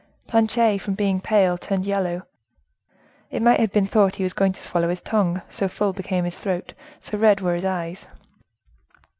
Planchet, from being pale, turned yellow. It might have been thought he was going to swallow his tongue, so full became his throat, so red were his eyes!